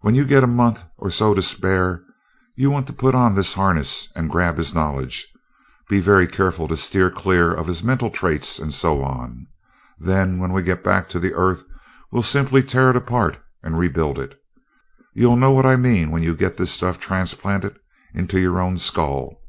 When you get a month or so to spare, you want to put on this harness and grab his knowledge, being very careful to steer clear of his mental traits and so on. Then, when we get back to the Earth, we'll simply tear it apart and rebuild it. You'll know what I mean when you get this stuff transplanted into your own skull.